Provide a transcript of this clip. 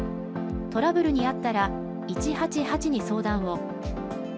トラブルに遭ったら１８８に相談を！